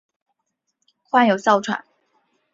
患有哮喘。